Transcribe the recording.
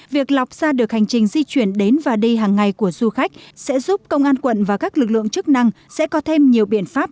việc lọc ra được hành trình di chuyển đến và đi hàng ngày của du khách sẽ giúp công an quận và các lực lượng chức năng sẽ có thêm nhiều biện pháp